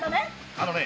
⁉あのね